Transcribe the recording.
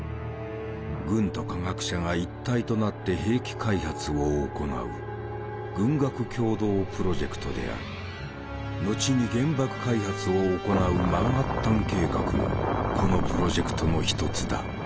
軍と科学者が一体となって兵器開発を行う後に原爆開発を行うマンハッタン計画もこのプロジェクトの一つだ。